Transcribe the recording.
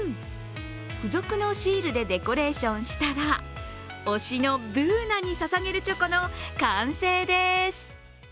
付属のシールでデコレーションしたら、推しのＢｏｏｎａにささげるチョコの完成です。